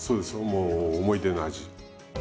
もう思い出の味。